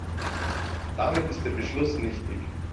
Damit ist der Beschluss nichtig.